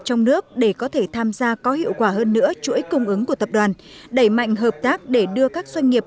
trong nước để có thể tham gia có hiệu quả hơn nữa chuỗi cung ứng của tập đoàn đẩy mạnh hợp tác để đưa các doanh nghiệp